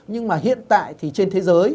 nhưng mà hiện tại thì trên thế giới